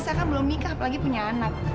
saya kan belum nikah apalagi punya anak